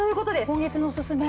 今月のおすすめ